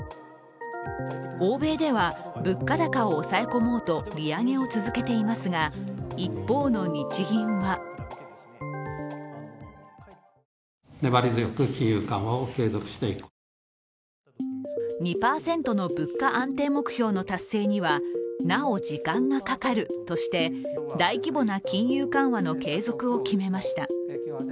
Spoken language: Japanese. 欧米では物価高を抑え込もうと利上げを続けていますが一方の日銀は２％の物価安定目標の達成には、なお時間がかかるとして大規模な金融緩和の継続を決めました。